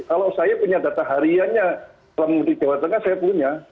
kalau saya punya data hariannya selama mudik jawa tengah saya punya